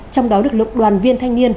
trong đó được lực đoàn viên thanh niên